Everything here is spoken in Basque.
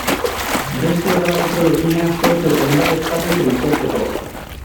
Beste erabateko lotuneak sortu eta hainbat esparru trinkotzeko.